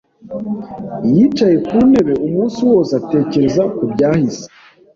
Yicaye ku ntebe umunsi wose, atekereza ku byahise.